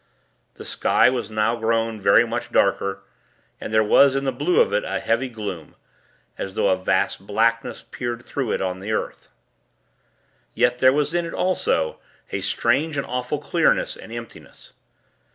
The sky was now grown very much darker, and there was in the blue of it a heavy gloom, as though a vast blackness peered through it upon the earth. Yet, there was in it, also, a strange and awful clearness, and emptiness.